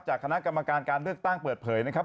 คณะกรรมการการเลือกตั้งเปิดเผยนะครับ